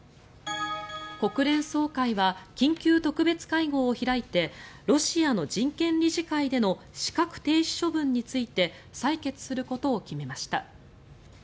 国連総会は緊急特別会合を開いてロシアの人権理事会での資格停止処分について採決することを決めました。